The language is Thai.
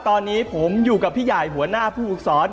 ตอนนี้ผมอยู่กับพี่ใหญ่หัวหน้าผู้ฝึกสอน